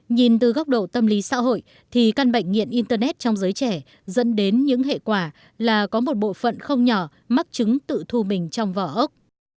nhìn từ góc độ tâm lý xã hội thì căn bệnh nghiện internet trong giới trẻ dẫn đến những hệ quả là có một bộ phận không nhỏ mắc chứng tự thu mình trong vỏ ốc